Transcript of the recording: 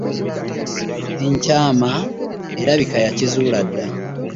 Ekyama alabika yakizuula dda.